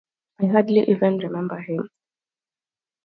I hardly even remember him.